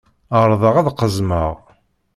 Ԑerḍeɣ ad qazmeɣ.